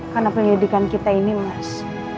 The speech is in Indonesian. karena pendidikan kita ini mas